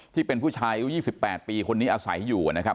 ที่เป็นผู้ชายอายุ๒๘ปีคนนี้อาศัยอยู่นะครับ